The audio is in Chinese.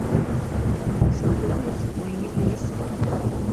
守备位置为一垒手。